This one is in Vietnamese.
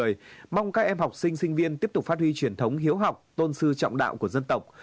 tổng bí thư chủ tịch nước nguyễn phú trọng mong các em học sinh sinh viên tiếp tục phát huy truyền thống hiếu học tôn sư trọng đạo của dân tộc